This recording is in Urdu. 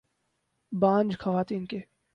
بانجھ خواتین کے